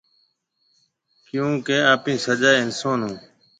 ڪيونڪي آپي سجا اِنسون هون۔